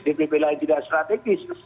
dpp lain tidak strategis